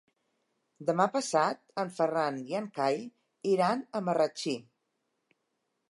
Demà passat en Ferran i en Cai iran a Marratxí.